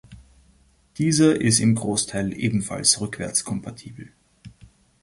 Dieser ist im Großteil ebenfalls rückwärtskompatibel.